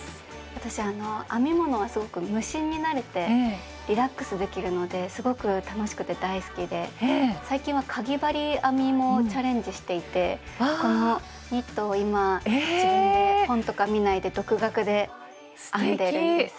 私編み物はすごく無心になれてリラックスできるのですごく楽しくて大好きで最近はかぎ針編みもチャレンジしていてこのニットを今自分で本とか見ないで独学で編んでるんです。